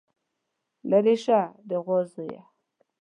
ليرې شه د غوا زويه.